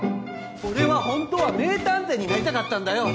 俺はホントは名探偵になりたかったんだよ